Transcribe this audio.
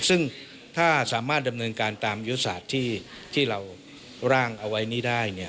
ซึ่งถ้าสามารถดำเนินการตามยุทธศาสตร์ที่เราร่างเอาไว้นี้ได้